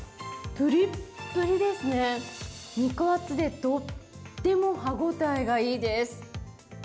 ぷりっぷりですね、肉厚でとっても歯ごたえがいいです。